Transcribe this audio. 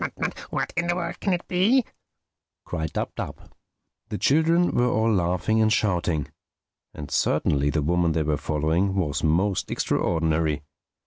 "What in the world can it be?" cried Dab Dab. The children were all laughing and shouting. And certainly the woman they were following was most extraordinary.